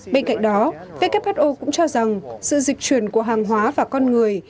bên cạnh đó who cũng cho rằng sự dịch chuyển của hàng hóa và con người